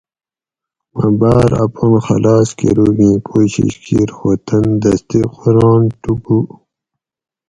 مہ باۤر اپان خلاص کروگیں کوشِیش کِیر خو تن دستی قران ٹکو